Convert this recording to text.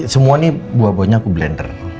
semua ini buah buahnya aku blender